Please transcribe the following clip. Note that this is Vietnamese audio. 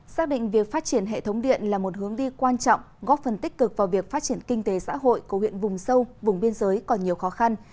xác định việc phát triển hệ thống điện là một hướng đi quan trọng góp phần tích cực vào việc phát triển kinh tế xã hội của huyện vùng sâu vùng biên giới còn nhiều khó khăn